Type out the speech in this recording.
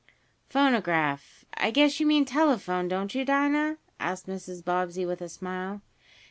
"Phonograph I guess you mean telephone; don't you, Dinah?" asked Mrs. Bobbsey, with a smile.